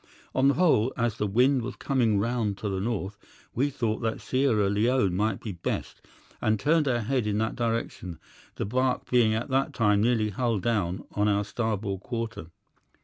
On the whole, as the wind was coming round to the north, we thought that Sierra Leone might be best, and turned our head in that direction, the barque being at that time nearly hull down on our starboard quarter.